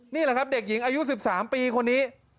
นี่แหละครับเด็กหญิงอายุ๑๓ปีคนนี้